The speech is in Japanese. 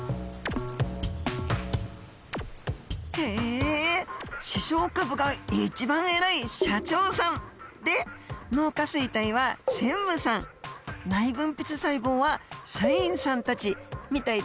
へえ視床下部が一番偉い社長さんで脳下垂体は専務さん内分泌細胞は社員さんたちみたいですね。